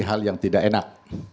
hal yang tidak enak